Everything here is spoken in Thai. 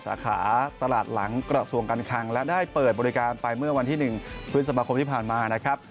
สาขาตลาดหลังกระทรวงการคังและได้เปิดบริการไปเมื่อวันที่๑พฤษภาคมที่ผ่านมานะครับ